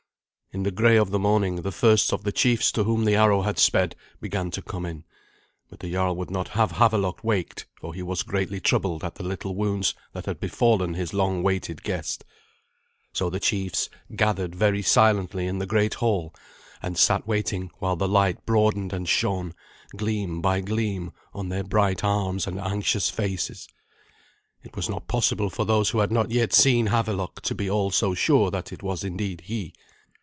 In the grey of the morning the first of the chiefs to whom the arrow had sped began to come in; but the jarl would not have Havelok waked, for he was greatly troubled at the little wounds that had befallen this long waited guest. So the chiefs gathered very silently in the great hall, and sat waiting while the light broadened and shone, gleam by gleam, on their bright arms and anxious faces. It was not possible for those who had not yet seen Havelok to be all so sure that it was indeed he.